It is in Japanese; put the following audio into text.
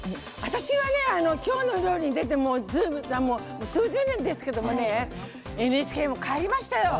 「きょうの料理」に出て数十年ですけどもＮＨＫも変わりましたよ。